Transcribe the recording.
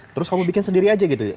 terus kamu bikin sendiri aja gitu